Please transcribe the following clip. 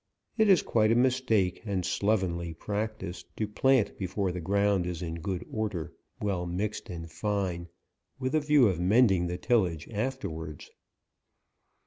It is quite a mistaken and slovenly practice to plant before the ground is in good order, well mixt and fine, with a view of mending the tillage afterwards.